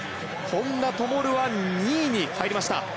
本多灯は２位に入りました。